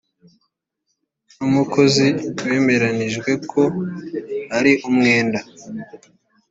n umukozi bemeranijwe ko ari umwenda